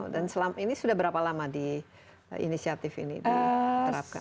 dan selama ini sudah berapa lama di inisiatif ini diterapkan